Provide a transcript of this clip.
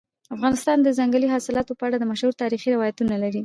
افغانستان د ځنګلي حاصلاتو په اړه مشهور تاریخي روایتونه لري.